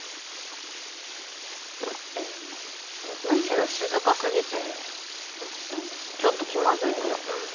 むしろ静かすぎてちょっと気まずいくらい。